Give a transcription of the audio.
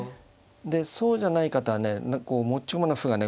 でそうじゃない方はね何かこう持ち駒の歩がね